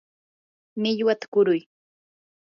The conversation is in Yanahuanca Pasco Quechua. millwata kuruy.